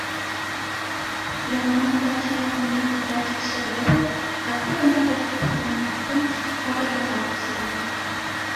Яңынан дача яғын ентекләп тикшерҙе лә яҫы ғына бер таҡтаның аҫтын ҡабырғаға күсерҙе: